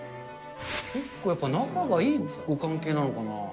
結構やっぱり仲がいいご関係なのかな。